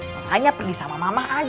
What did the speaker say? makanya pergi sama mama aja